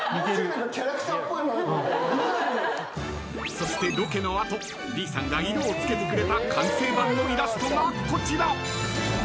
［そしてロケの後リーさんが色を付けてくれた完成版のイラストがこちら］